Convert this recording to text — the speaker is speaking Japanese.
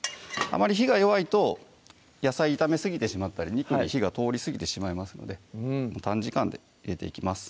あまり火が弱いと野菜炒めすぎてしまったり肉に火が通りすぎてしまいますので短時間で焼いていきます